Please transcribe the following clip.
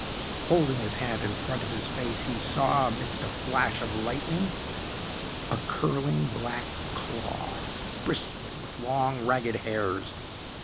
Holding his hand in front of his face he saw, amidst a flash of lightning, a curling, black claw, bristling with long, ragged hairs.